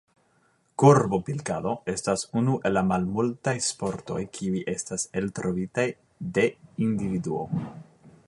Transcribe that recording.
Korbopilkado estas unu el la malmultaj sportoj, kiuj estis eltrovitaj de individuo.